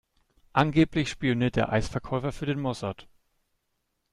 Angeblich spioniert der Eisverkäufer für den Mossad.